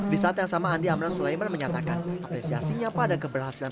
di saat yang sama andi amran sulaiman menyatakan apresiasinya pada keberhasilan